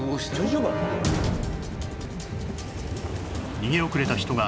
逃げ遅れた人が